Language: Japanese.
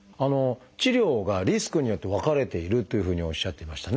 治療がリスクによって分かれているというふうにおっしゃっていましたね。